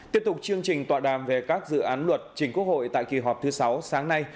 tiếp tục chương trình tọa đàm về các dự án luật trình quốc hội tại kỳ họp thứ sáu sáng nay